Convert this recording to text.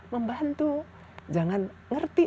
membantu jangan ngerti